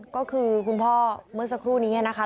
ก็คือคุณพ่อเมื่อสักครู่นี้นะคะ